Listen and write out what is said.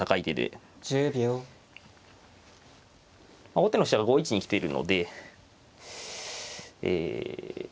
後手の飛車が５一に来てるのでえ